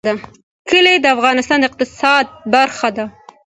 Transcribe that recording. کلي د افغانستان د اقتصاد برخه ده.